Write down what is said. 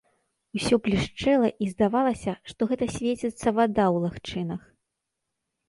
Усё блішчэла, і здавалася, што гэта свеціцца вада ў лагчынах.